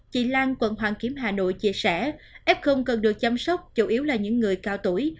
chị lan quận hoàn kiếm hà nội chia sẻ f cần được chăm sóc chủ yếu là những người cao tuổi